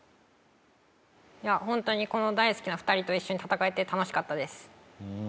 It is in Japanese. ホントにこの大好きな２人と一緒に戦えて楽しかったです。